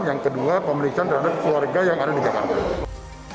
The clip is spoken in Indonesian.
yang kedua pemeriksaan terhadap keluarga yang ada di jakarta